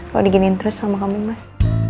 kalau diginiin terus sama kamu mas